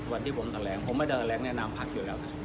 วันที่ผมแถลงผมไม่ได้แถลงแนะนำพักอยู่แล้ว